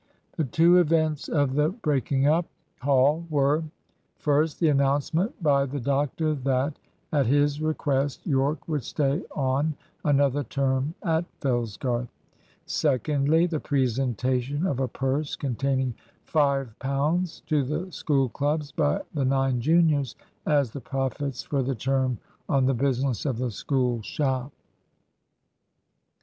The two events of the breaking up "Hall" were first the announcement by the doctor that, at his request, Yorke would stay on another term at Fellsgarth; secondly, the presentation of a purse containing five pounds to the School clubs by the nine juniors, as the profits for the term on the business of the School shop.